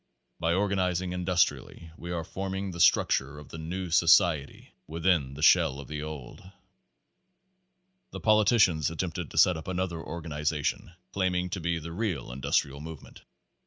By organizing industrially we are forming the structure f the new society within the shell of the old. The politicians attempted to set up another organi zation, claiming to be the real industrial movement.